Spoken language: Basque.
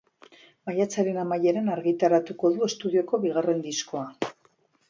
Maiatzaren amaieran argitaratuko du estudioko bigarren diskoa.